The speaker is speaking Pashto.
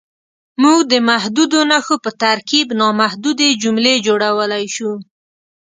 موږ د محدودو نښو په ترکیب نامحدودې جملې جوړولی شو.